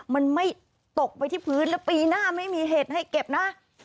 มันไม่ตกไปที่พื้นแล้วปีหน้าไม่มีเห็ดให้เก็บนะ